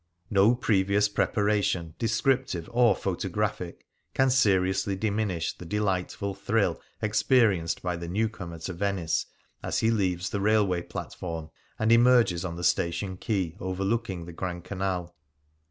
No previous preparation, de scriptive or photographic, can seriously diminish the delightful thrill experienced by the new comer to Venice as he leaves the railway plat form and emerges on the station quay over looking the Grand Canal.